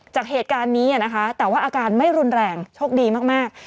จากเหตุการณ์นี้นะคะแต่ว่าอาการไม่รุนแรงโชคดีมาก